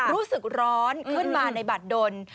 รู้สึกร้อนขึ้นมาในบัตรดน